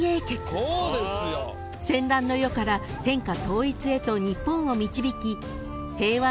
［戦乱の世から天下統一へと日本を導き］